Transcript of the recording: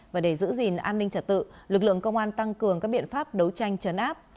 và để giữ gìn an ninh trật tự lực lượng công an tăng cường các biện pháp đấu tranh chấn áp